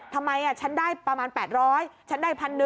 ทำไมฉันได้ประมาณ๘๐๐ฉันได้๑๑๐๐